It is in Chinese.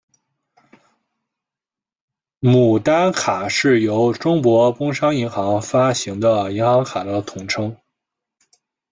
牡丹卡是由中国工商银行发行的银行卡的统称。